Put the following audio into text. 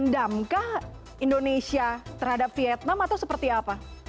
dendamkah indonesia terhadap vietnam atau seperti apa